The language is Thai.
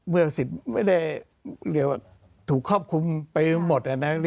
เมื่อสินไม่ได้ถูกควบคุมไปหมด